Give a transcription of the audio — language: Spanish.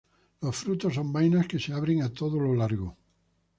Los frutos son vainas que se abren a todo lo largo.